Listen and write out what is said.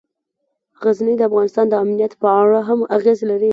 غزني د افغانستان د امنیت په اړه هم اغېز لري.